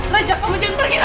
rajak om jangan pergi rajak